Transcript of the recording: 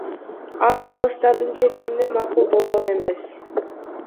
Ал калыстардын чечимине макул болгон эмес.